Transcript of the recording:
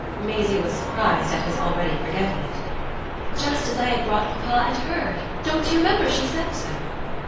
Maisie was surprised at his already forgetting it. "Just as I had brought papa and her. Don't you remember she said so?"